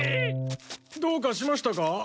どうかしましたか？